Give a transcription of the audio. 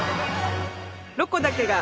「ロコだけが」。